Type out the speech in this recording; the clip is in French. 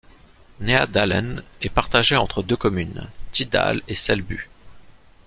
Neadalen est partagée entre deux communes, Tydal et Selbu.